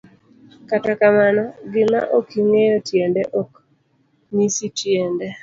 Kata kamano, gima okingeyo tiende ok ng'isi tiende.